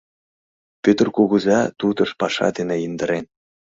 Пӧтыр кугыза тутыш паша дене индырен.